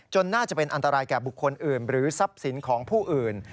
น่าจะเป็นอันตรายแก่บุคคลอื่นหรือทรัพย์สินของผู้อื่น